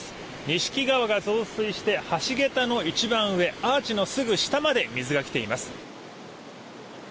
錦川が増水して橋げたの一番上アーチのすぐ下まで水が来ています。